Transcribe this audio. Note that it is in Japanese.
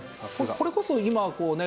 これこそ今こうね